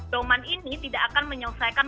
doman ini tidak akan menyelesaikan